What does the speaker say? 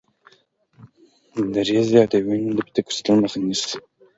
دریڅې د وینې د بیرته ګرځیدلو مخه نیسي.